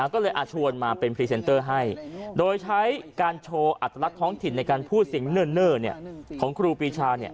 ก็เลยชวนมาเป็นพรีเซนเตอร์ให้โดยใช้การโชว์อัตลักษณ์ท้องถิ่นในการพูดเสียงเนิ่นของครูปีชา